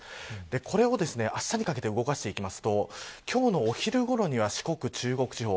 これをあしたにかけで動かすと今日のお昼ごろには四国中国地方。